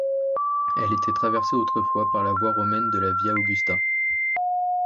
Elle était traversée autrefois par la voie romaine de la Via Augusta.